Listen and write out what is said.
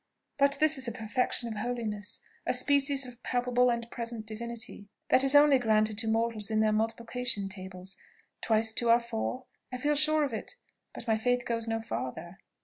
But this is a perfection of holiness a species of palpable and present divinity, that is only granted to mortals in their multiplication tables. Twice two are four I feel sure of it, but my faith goes no farther."